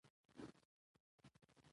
تاریخ د خپل ولس د شرافت لامل دی.